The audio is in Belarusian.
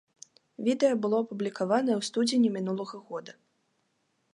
Відэа было апублікаванае ў студзені мінулага года.